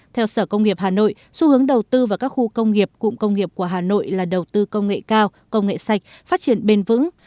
theo sở công nghiệp hà nội xu hướng đầu tư vào các khu công nghiệp cụm công nghiệp của hà nội là đầu tư công nghệ cao công nghệ sạch phát triển bền vững